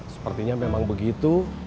sepertinya memang begitu